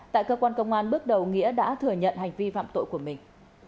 tại cơ quan công an bước đầu nghĩa đã thừa nhận hành vi phạm tội của mình